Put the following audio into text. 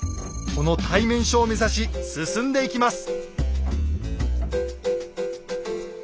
この対面所を目指し進んでいきます。